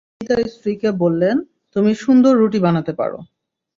তারপর তিনি তার স্ত্রীকে বললেন, তুমি সুন্দর রুটি বানাতে পার।